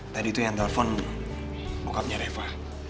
tadi itu yang telpon bokapnya reva